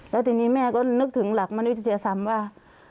แล้วทีนี้แม่ก็นึกถึงหลักมนุษยธรรมว่า